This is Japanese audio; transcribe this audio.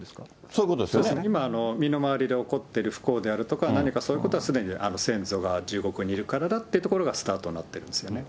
そうですね、身の回りで起こっている不幸であるとか、何かそういうことはすべて、ある先祖が地獄にいるからだということがスタートになってるんですよね。